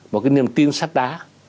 một cái niềm tin sắt đá